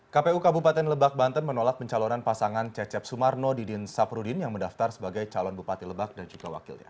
kpu kabupaten lebak banten menolak pencalonan pasangan cecep sumarno didin saprudin yang mendaftar sebagai calon bupati lebak dan juga wakilnya